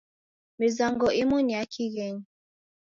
Mizango imu ni ya kighenyi.